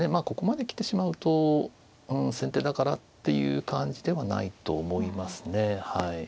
ここまで来てしまうと先手だからっていう感じではないと思いますねはい。